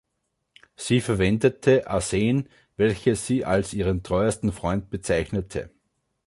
Sie verwendete Arsen, welches sie als „ihren treuesten Freund“ bezeichnete.